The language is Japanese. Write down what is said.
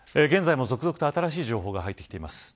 現在も続々と新しい情報が入ってきています。